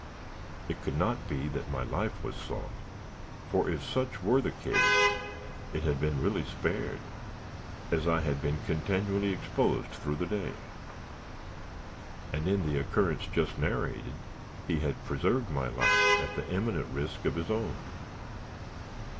It could not be that my life was sought, for, if such were the case, it had been really spared, as I had been continually exposed through the day; and in the occurrence just narrated, he had preserved my life at the imminent risk of his own.